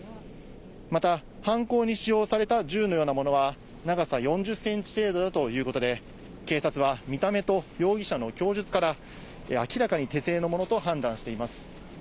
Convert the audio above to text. また犯行に使用された銃のようなものは、長さ４０センチ程度だということで、警察は見た目と容疑者の供述から、明らかに手製のものと判断しています。